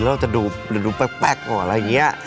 เราจะดูแปลกเหมือนอะไรเงี้ย